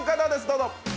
どうぞ！